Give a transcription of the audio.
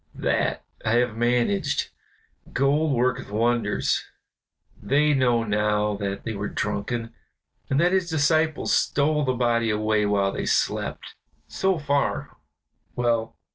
That I have managed gold worketh wonders; they know now that they were drunken, and that his disciples stole the body away while they slept. So far, well.